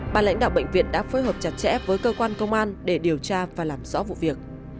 bà lãnh đạo bệnh viện đã phối hợp chặt chẽ với cơ quan công an để điều tra và làm rõ vụ việc